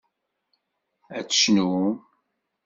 Ad tecnum?